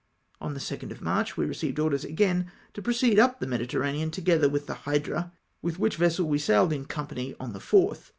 On the 2nd of March, we received orders asjaui to proceed up the Mediterranean together Avith the Hydra, Avith which vessel we sailed in company on the 4th.